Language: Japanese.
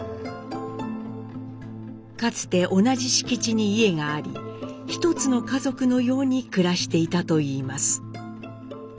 かつて同じ敷地に家があり１つの家族のように暮らしていたといいます。